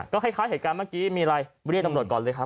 คล้ายเหตุการณ์เมื่อกี้มีอะไรเรียกตำรวจก่อนเลยครับ